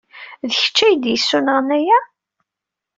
D kečč ay d-yessunɣen aya?